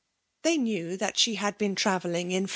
They knew that she had been, travelling in.